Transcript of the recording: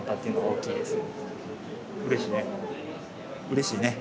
うれしいね。